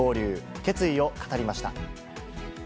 決意を語りました。